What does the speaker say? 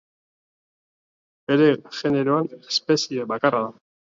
Bere generoan espezie bakarra da.